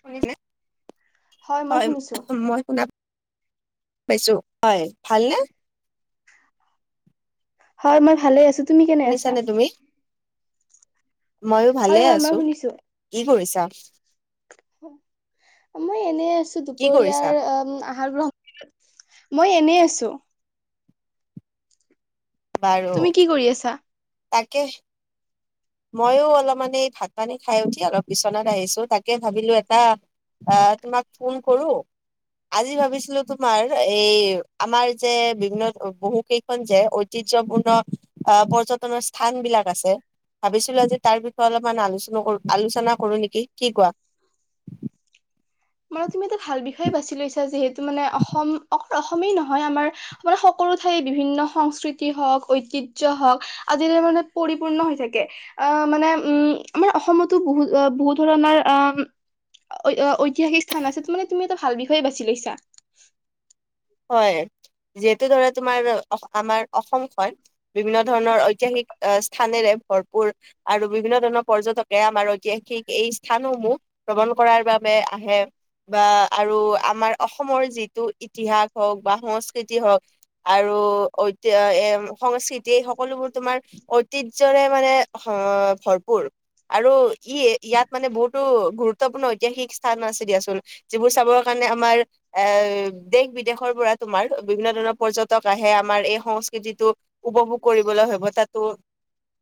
শুনিছে মই হয় শুনিছো মই শুনাত- পাইছো হয়। ভালনে? হয় মই ভালে আছো। তুমি কেনে আছা? শুনিছানে তুমি মইয়ো হয় ভালে হয় মই আছো। শুনিছো কি কৰিছা? মই এনে আছো কি কৰিছা দুপৰীয়াৰ আহাৰ গ্ৰহ- মই এনেই আছোঁ। বাৰু তুমি কি কৰি আছা? তাকে। মইয়ো অলপমানে এই ভাত পানী খাই উঠি অলপ বিচনাত আহিছো, তাকে ভাবিলো এটা আহ তোমাক ফোন কৰোঁ। আজি ভাবিছিলো তোমাৰ এই আমাৰ যে বিভিন্ন বহু কেইখন যে ঐতি- যবোন আহ পৰ্যটনৰ স্থান বিলাক আছে। ভাবিছিলো আজি তাৰ বিষয়ে অলপমান আলোচনা কৰ আলোচনা কৰো নেকি কি কোৱা? [inaudible] মানে তুমি এটা ভাল বিষয়ে বাছি লৈছা যিহেতু মানে অসম অস- অসমেই নহয় আমাৰ মানে সকলো ঠাই বিভিন্ন সংস্কৃতি হওক ঐতিহ্য হওক আদি তে পৰিপূৰ্ণ হৈ থাকে আ মানে উ আমাৰ অসমতো বহু বহু ধৰণৰ আ ঐতিহাসিক স্থান আছে মানে তুমি এটা ভাল বিষয়ে বাছি লৈছা। হয়। যিহেতু ধৰা তোমাৰ আমাৰ অসমখন বিভিন্ন ধৰণৰ ঐতিহাসিক স্থানেৰে ভৰপুৰ আৰু বিভিন্ন ধৰণৰ পৰ্যটকে আমাৰ ঐতিহাসিক এই স্থানসমূহ ভ্ৰমণ কৰাৰ বা বাবে আহে বা আৰু আমাৰ অসমৰ যিটো ইতিহাস হওক বা সংস্কৃতি হওক আৰু ঐতি এ সংস্কৃতি। তেই সকলোবোৰ তোমাৰ ঐতিহ্যৰে মানে হঅ ভৰপূৰ। আৰু ই ইয়াত মানে বহুতো গুৰুত্বপূৰ্ণ ঐতিহাসিক স্থান আছে দিয়া চোন যিবোৰ চাবৰ কাৰণে আমাৰ আহ দেশ বিদে দেশৰ পৰা তোমাৰ বিভিন্ন ধৰণৰ পৰ্যটক আহে আমাৰ এই সংস্কৃতিটোক উপভোগ কৰিবলৈ সভ্যতাতো।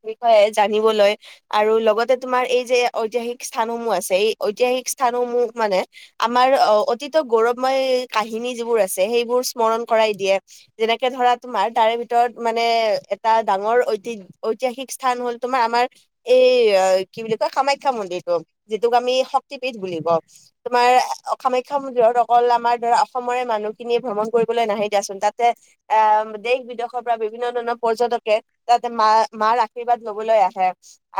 বিষয়ে জানিবলৈ আৰু লগতে তোমাৰ এই যে ঐতিহাসিক স্থানসমূহ আছে এই ঐতিহাসিক স্থানো মোক মানে আমাৰ অ অতীত গৌৰৱময় কাহিনী যিবোৰ আছে। তে সেইবোৰ স্মৰণ কৰাই দিয়ে যেনেকে ধৰা তোমাৰ তাৰে ভিতৰত মানে এটা ডাঙৰ ঐ ঐতিহাসিক স্থান হ'ল তোমাৰ আমাৰ এই কি বুলি কয় কামাখ্যা মন্দিৰটো যিটো। আমি শক্তিপীঠ বুলি কও তোমাৰ কামাখ্যা মন্দিৰত অকল আমাৰ ধৰা অসমৰে মানুহ। ভ্ৰমণ কৰিবলৈ নাহে দিয়াচোন তাতে আহ দেশ বিদেশৰ পৰা বিভিন্ন ধৰণৰ পৰ্যটকে তাতে মা মাৰ আশীৰ্বাদ লবলৈ আহে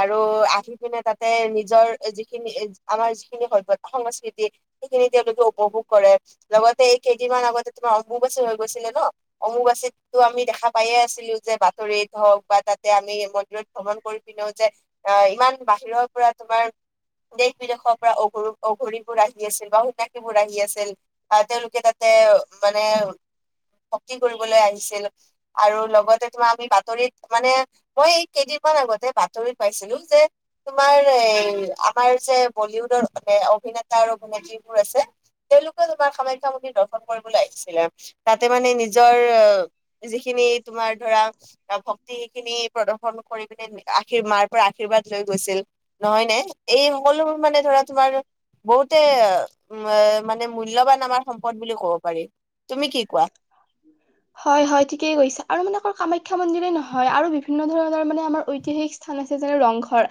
আৰু আহি পিনে তাতে নিজৰ যিখিনি আমাৰ যিখিনি সভ্যতা সংস্কৃতি। সেইখিনি এতিয়া উপভোগ কৰে লগতে এইকেই কেইদিনমান আগতে তোমাৰ অম্বুবাচী হৈ গৈছিলে ন অম্বুবাচিততো আমি দেখা পায়ে আছিলো যে বাতৰিত হওক। বা তাতে আমি মন্দিৰত ভ্ৰমণ কৰি পিনেও যে ইমান বাহিৰৰ পৰা তোমাৰ দেশ বিদেশৰ পৰা অঘৰু অঘৰীবোৰ আহি আছিল বা সন্যাসীবোৰ আহি আছিল আহ তেওঁলোকে তাত তেও মানেও ভক্তি কৰিবলে আহিছিল আৰু লগতে তোমাৰ আমি বাতৰিত মানে মই কেইদিন। কিমান আগতে বাতৰিত পাইছিলো যে তোমাৰ এই আমাৰ যে বলীউডৰ অভিনেতা আৰু অভিনেত্ৰীবোৰ আছে। তেওঁলোকেও তোমাৰ কামাখা মন্দিৰ দৰ্শ পন কৰিবলে আহিছিলে তাতে মানে নিজৰ যিখিনি তোমাৰ ধৰা শক্তি খিনি প্ৰদৰ্শন কৰি পিনে আশীৰ মাৰ পৰা আশীৰ্বাদ লৈ গৈছিল নহয় নে? এই সকলোবোৰ মানে ধৰা তোমাৰ বহুত তে এ মানে মূল্যবান আমাৰ সম্পদ বুলি কব পাৰি তুমি কি কোৱা [unintelligible] হয় হয় ঠিকেই কৈছা আৰু মানে অক কামাখ্যা মন্দিৰে নহয় আৰু বিভিন্ন ধৰণৰ মানে আমাৰ ঐতিহাসিক স্থান যে ৰংঘৰ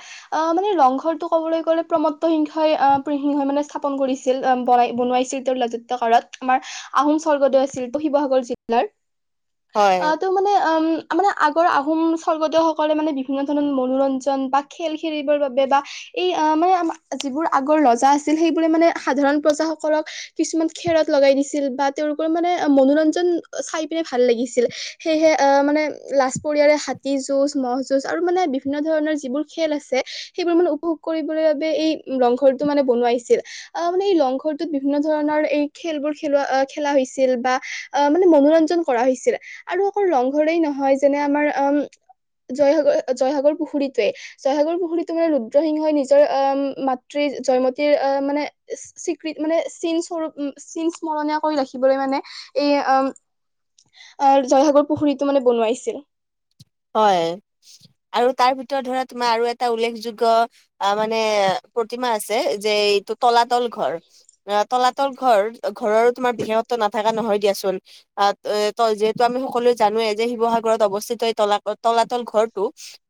আহ মানে ৰংঘৰটো ক'বলৈ গ'লে প্ৰমতসিংহই আহ সিংহই মানে স্থাপন কৰি ছিল বনাই বনোৱাইছিল তেওঁৰ ৰাজত্ব কালত আমাৰ আহোম স্বৰ্গদেউ আছিল ত শিৱসাগৰ। জিলাৰ হয় আ ত মানে আম আ মানে আগৰ আহোম স্বৰ্গদেউ সকলে মানে বিভিন্ন ধৰণৰ মনোৰঞ্জন বা খেল খেলিবৰ বাবে বা এই অ মানে আমাৰ যিবোৰ আগৰ ৰজা আছিল সেইবোৰে মানে সাধাৰণ প্ৰজাসকলক কিছুমান খেলত লগাই দিছিল বা তেওঁলোকৰ মানে মনোৰঞ্জন চাই পিনে ভাল লাগিছিল সেয়েহে মানে লাজ পৰিয়াৰে হাতী যুঁজ মহ' যুঁজ আৰু মানে বিভিন্ন ধৰণৰ যিবোৰ খেল আছে সেইবোৰ মানে উপভোগ কৰিবৰ বাবে এই ৰংঘৰটো মানে বনোৱাইছিল। অ মানে এই লংঘৰটো বিভিন্ন ধৰণৰ এই খেলবোৰ খেলোৱা খেলা হৈছিল বা অ ম মানে মনোৰঞ্জন কৰা হৈছিলে আৰু আকৌ ৰংঘৰেই নহয় যেনে আমাৰ আমাৰ জয়সাগৰ জয়সাগৰ পুখুৰীটোৱে জয়সাগৰ পুখুৰীটো মানে ৰুদ্ৰসিংহই নিজৰ মাতৃৰ জয়মতীৰ মানে স্বীকৃ মানে চিন স্বৰূপ চিন স্মৰণীয় কৰি ৰাখিবলৈ মানে এই আম অ জয়সাগৰ পুখুৰীটো মানে বনোৱাইছিল। হয় আৰু তাৰ ভিতৰত ধৰা তোমাৰ আৰু এটা উল্লেখযোগ্য আ মানে প্ৰতিমা আছে যে এইটো তলাতল ঘৰ অ তলাতল ঘৰ ঘৰৰো তোমাৰ বিশেষ নাথাকা নহয় দিয়াচোন আহ ত যিহেতু আমি সকলোৱে জানোৱে যে শিৱসাগৰত অৱস্থিত এই তলা তলাতল ঘৰটো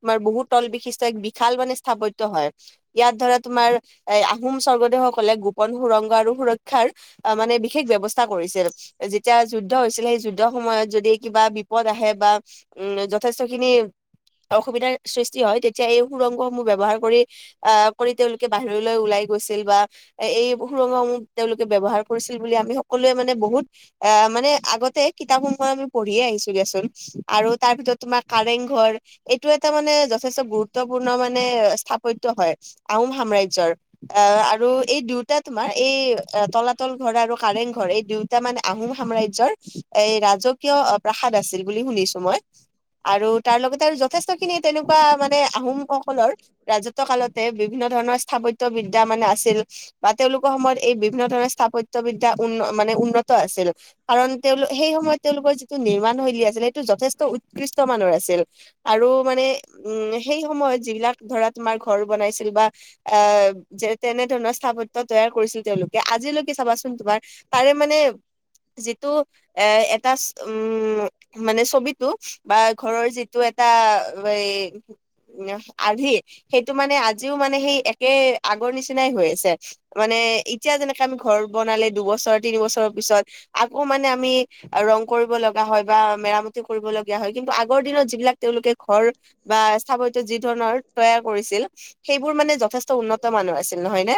তোমাৰ বহু তল বিশিষ্ট এক বিশাল মানে স্থাপত্য হয় ইয়াৰ ধৰা তোমাৰ আমাৰ আহোম স্বৰ্গদেউসকলে গোপন সুৰংগ আৰু সুৰক্ষাৰ মানে বিশেষ ব্যৱস্থা কৰিছে যে যেতিয়া যুদ্ধ হৈছিল সেই যুদ্ধৰ সময়ত যদি কিবা বিপদ আহে বা উম য যথেষ্ট খিনি অসুবিধাৰ সৃষ্টি হয় তেতিয়া এই সুৰংগসমূহ ব্যৱহাৰ কৰি আহ কৰি তেওঁলোকে বাহিৰলৈ ওলাই গৈছিল বা এই সুৰংগসমূহ তেওঁলোকে ব্যৱহাৰ কৰিছিল বুলি আমি সকলোৱে মানে বহুত এ মানে আগতে কিতাপ সমূহ আমি পঢ়িয়ে আহিছোঁ দিয়াচোন আৰু তাৰ ভিতৰত তোমাৰ কাৰেংঘৰ এইটো এটা মানে যথেষ্ট গুৰুত্বপুৰ্ণ মানে স্থাপত্য হয়। আহো আহোম সাম্ৰাজ্যৰ এ আৰু এই দুয়োটা তোমাৰ এই এ তলাতল ঘৰ আৰু কাৰেং ঘৰ এই দুয়োটা মানে আহোম সাম্ৰাজ্যৰ এই ৰাজকীয় প্ৰাসাদ আছিল বুলি শুনিছোঁ মই আৰু তাৰ লগতে আৰু যথেষ্ট খিনি তেনেকুৱা মানে আহোম সকলৰ ৰাজত্ব কালতে বিভি বিভিন্ন ধৰণৰ স্থাপত্য বিদ্যা মানে আছিল বা তেওঁলোকৰ সময়ত এই বিভিন্ন বিভিন্ন ধৰণৰ স্থাপত্য বিদ্যা উন মানে উন্নত আছিল কাৰণ তেওঁলোক সেই সময়ত তেওঁলোকৰ যিটো নিৰ্মাণ আছিল সেইটো যথেষ্ট উ মানুহৰ আছিল। আৰু মানে উম সেই সময়ত যিবিলাক ধৰা তোমাৰ ঘৰ বনাইছিল বা এ যে তেনে ধৰণৰ স্থাপত্য তৈয়াৰ কৰিছিল তেওঁলোকে আজিলৈকে চাবাচোন তোমাৰ তাৰে মানে যিটো এ এটা উম মানে ছবিটো বা ঘৰৰ যিটো এটা হেৰী উম, আজি সেইটো মানে আজিও মানে সেই একে আগৰ নিচিনাই হৈ আছে মানে এতিয়া যেনেকে আমি ঘৰ বনালে দুবছৰ তিনিবছৰ পিছত আকৌ মানে আমি ৰং কৰিব কৰিব লগা হয় বা মেৰামতি কৰিব লগীয়া হয়। কিন্তু আগৰ দিনত যিবিলাক তেওঁলোকে ঘৰ বা স্থাপত্য যি ধৰণৰ তৈয়াৰ কৰিছিল। সেইবোৰ মানে যথেষ্ট উন্নতমানৰ আছিল নহয় নে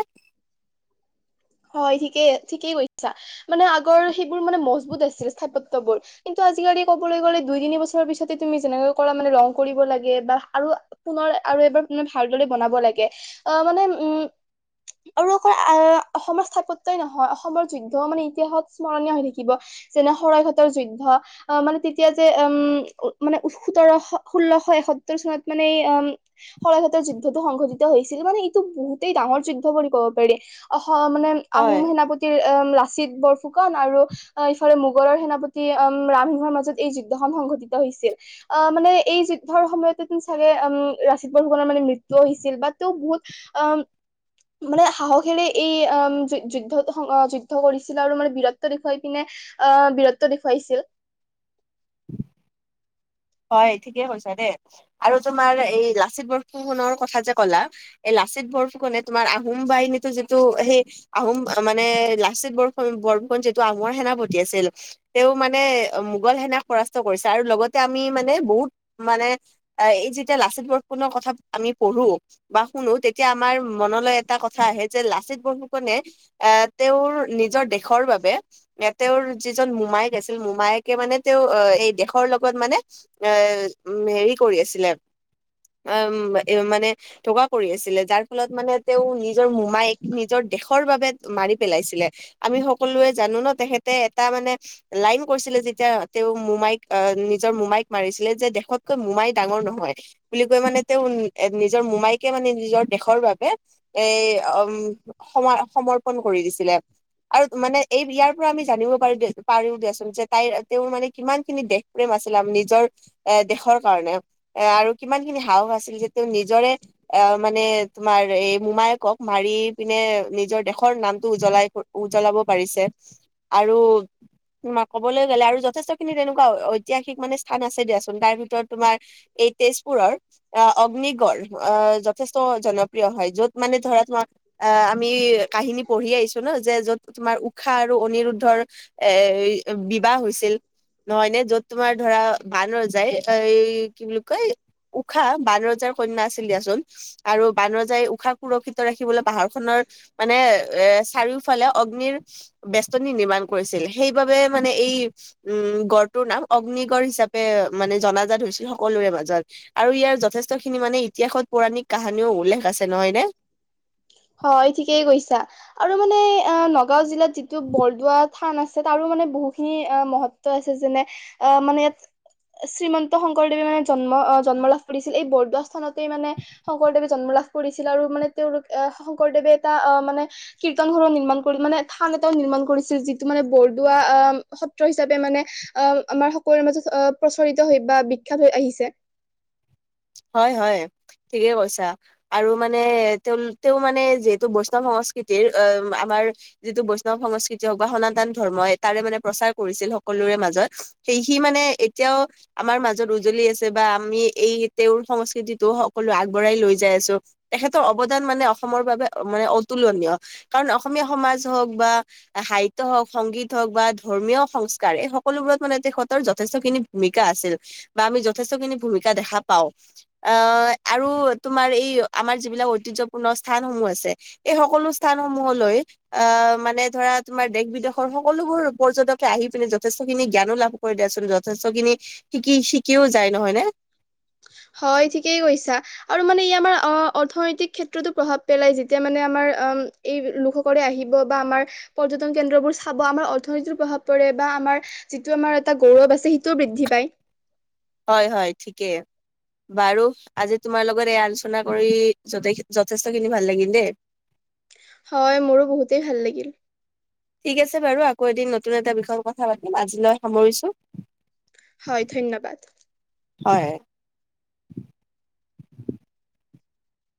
হয় ঠিকেই, ঠিকেই কৈছা মানে আগৰ সেইবোৰ মানে মজবুত আছিল স্থাপত্যবোৰ কিন্তু আজিকালি ক'বলৈ গ'লে দুই তিনি বছৰৰ পিছতে তুমি যেনেকে ক'লা মানে ৰং কৰিব লাগে বা আৰু পুনৰ আৰু এইবোৰ মানে ভালদৰে বনাব লাগে আ মানে উম আৰু অকল আ অসমৰ স্থাপত্যই নহয় অসমৰ যুদ্ধ মানে ইতিহাসত স্মৰণীয় হৈ থাকিব যেনে শৰাইঘাটৰ যুদ্ধ। অ মানে তেতিয়া যে উম মানে সোতৰ ষোল্লশ এসত্তৰ চনত মানে উম শৰাইঘাটৰ যুদ্ধটো সংঘটিত হৈছিল মানে এইটো বহুতেই ডাঙৰ যুদ্ধ বুলি ক'ব পাৰি। স মানে হয় আহোম সেনাপতিৰ অ লাচিত বৰফুকন আৰু অ ইফালে মোগলৰ সেনাপতি অম ৰামসিংহৰ মাজত এই যুদ্ধখন সংঘটিত হৈছিল আ মানে এই যুদ্ধৰ সময়তে চাগে উম লাচিত বৰফুকনৰ মানে মৃত্যুও হৈছিল বা আটো বহুত অ মানে সাহসেৰে এই আম যুদ্ধ যুদ্ধ কৰিছিলে আৰু মানে বীৰত্ব দেখুৱাই পিনে অ বীৰত্ব দেখুৱাই ছিল। [inaudible] হয় ঠিকে কৈছা দে আৰু তোমাৰ এই লাচিত বৰফুকনৰ কথা যে ক'লা এই লা লাচিত বৰফুকনে তোমাৰ আহোম বাহিনীটো যিটো সেই আহোম মানে লাচিত বৰফু বৰ ফুকন যিটো আহোমৰ সেনাপতি আছিল তেওঁ মানে অ মোগল সেনাক পৰাস্ত কৰিছে আৰু লগতে আমি মানে বহুত মানে এই যেতিয়া লাচিত বৰফুকনৰ কথা আমি পঢ়ো বা শুনো তেতিয়া আমাৰ মনলৈ এটা কথা আহে যে লাচিত বৰফুকনে এ তেওঁৰ নিজৰ দেশ দেশৰ বাবে এ তেওঁৰ যিজন মোমায়েক আছিল মোমায়েকে মানে তেওঁ এই দেশৰ লগত মানে এ উম হেৰী কৰি আছিলে। অম এ মানে ধকা কৰি আছিলে যাৰ ফলত মানে তেওঁ নিজৰ মোমায়েক নিজৰ দেশৰ বাবে মাৰি পেলাইছিলে আমি সকলোৱে জানো ন তেখেতে এটা মানে লাইন কৈছি ছিলে যেতিয়া তেওঁ মোমাইক আ নিজৰ মোমাইক মাৰিছিলে যে দেশতকৈ মোমাই ডাঙৰ নহয় বুলি কৈ মানে তেওঁ এ নিজৰ মোমাইকে মানে নিজৰ দেশৰ বাবে এ অম সম সমৰ্পন কৰি দিছিলে। আৰু মানে এই ইয়াৰ পৰা আমি জানিব পাৰোঁ দিয়াচোন পাৰোঁ দিয়াচোন যে তাইৰ তেওঁৰ মানে কিমান খিনি দেশ প্ৰেম আছিলে। আমি নি নিজৰ এ দেশৰ কাৰণে। এ আৰু কিমান খিনি সাহস আছিল যে তেওঁ নিজৰে এ মানে এ তোমাৰ এই মোমায়েকক মাৰি পিনে নিজৰ দেশৰ নামটো উজ্বলাই উজ্বলাব পাৰি ছে। আৰু তোমাৰ ক'বলৈ গ'লে আৰু যথেষ্ট খিনি তেনেকুৱা ঐতিহাসিক মানে স্থান আছে দিয়াচোন। তাৰ ভিতৰত তোমাৰ এই তেজপুৰৰ আ অগ্নিগড় আ যথেষ্ট জনপ্ৰিয় হয়। য'ত মানে ধৰা তোমাক এ আমি কাহিনী পঢ়িয়ে আহিছোঁ ন যে য'ত তোমাৰ ঊষা আৰু অনিৰুদ্ধৰ এ বিবাহ হৈছিল। নহয় নে? য'ত তোমাৰ ধৰা বান ৰজাই এই কি বুলি কয়? উষা বানৰজাৰ কন্যা আছিল দিয়াচোন আৰু বান ৰজাই উষা সুৰক্ষিত ৰাখিবলৈ পাহাৰ খনৰ মানে এ চাৰিওফালে অগ্নিৰ বেস্তনী নিৰ্মাণ কৰিছিল সেইবাবে মানে এই এই উম গড়টোৰ নাম অগ্নিগড় হিচাপ পে মানে জনাজাত হৈছিল সকলোৰে মাজত আৰু ইয়াৰ যথেষ্ট খিনি মানে ইতিহাসত পৌৰাণিক কাহানিও উল্লেখ আছে নহয় নে? হয় ঠিকেই কৈছা আৰু মানে নগাও জিলাত যিটো বৰদোৱাত থান আছে তাৰো মানে বহুখিনি আহ মহত্ব আছে যেনে অ মানে ইয়াত শ্ৰীমন্ত শংকৰদেৱে মানে জন্ম জন্ম লাভ কৰিছিল এই বৰদোৱা স্থানতেই মানে শংকৰদেৱে জন্ম লাভ কৰিছিল আৰু মানে তেওঁলোক আহ শংকৰদেৱে এটা অ মানে কীৰ্তন ঘৰও নিৰ্মাণ কৰি মানে থান এটাও নিৰ্মাণ কৰিছিল যিটো মানে বৰদোৱা সত্ৰ হিচাপে মানে অ আমাৰ সকলোৰে মাজত প্ৰচৰিত হৈ বা বিখ্যাত হৈ আহিছে। [inaudible] হয় হয়। ঠিকে কৈছা আৰু মানে তেওঁ তেওঁ মানে যিহেতু বৈষ্ণৱ সংস্কৃতিৰ আমাৰ যিটো বৈষ্ণৱ সংস্কৃতি হওক বা সনাতন ধৰ্মই তাৰে মানে প্ৰচাৰ কৰিছিল সকলোৰে মাজত সেই সি মানে এতিয়াও আমাৰ মাজত উজলি আছে বা আমি এই তেওঁৰ সংস্কৃতিটো সকলো আগবঢ়াই লৈ যাই আছো তেখেতৰ অৱদান মানে অসমৰ বাবে মানে অতু- অতুলনীয়, কাৰণ অসমীয়া সমাজ হওক বা সাহিত্য হ‌ওক, সংগীত হ‌ওক বা ধৰ্মীয় সংস্কাৰ সংস্কাৰ এই সকলোবোৰত মানে তেখতৰ যথেষ্টখিনি ভূমিকা আছিল বা আমি যথেষ্টখিনি ভূমিকা দেখা পাও আহ আৰু তোমাৰ এই আমাৰ যিবিলাক ঐতিহ্যপূৰ্ণ স্থান সমূহ আছে। এই সকলো স্থান সমূহলৈ এ মানে ধৰা তোমাৰ দেশ বিদেশৰ সকলোবোৰ পৰ্যটকে আহি ইখিনি যথেষ্টখিনি জ্ঞানো লাভ কৰি দিয়চোন যথেষ্ট খিনি শিকি শিকিও যায় নহয় নে। [inaudible] হয় ঠিকেই কৈছা আৰু মানে ই আমাৰ অ অৰ্থনৈতিক ক্ষেত্ৰতো প্ৰভাৱ পেলাই যেতিয়া মানে আমাৰ এই লোকসকলে আহিব বা আমাৰ পৰ্যটন কেন্দ্ৰবোৰ চাব। আমাৰ অৰ্থনীতিত প্ৰভাৱ পৰে বা আমাৰ [unintelligible] যিটো আমাৰ এটা গৌৰৱ আছে সেইটোও বৃদ্ধি পায়। হয়, হয় ঠিকেই। বাৰু আজি তোমাৰ লগত এই আলোচনা কৰি য যথেষ্ট খিনি ভাল লাগিল দেই। [inaudible] হয় মোৰ বহুতেই ভাল লাগিল। ঠিক আছে বাৰু আকৌ এদিন নতুন এটা বিষয়ত কথা পাতিম আজিলৈ সামৰিছোঁ। হয় ধন্যবাদ। হয়।